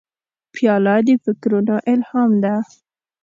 پیاله د فکرونو الهام ده.